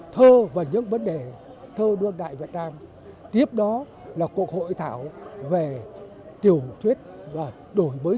thơ và những vấn đề thơ đương đại việt nam tiếp đó là cuộc hội thảo về tiểu thuyết và đổi mới